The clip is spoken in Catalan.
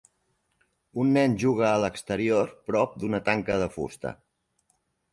Un nen juga a l'exterior prop d'una tanca de fusta.